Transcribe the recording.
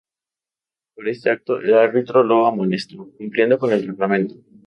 Por este acto el árbitro lo amonestó, cumpliendo con el reglamento.